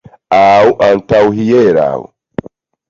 Aŭ antaŭhieraŭ.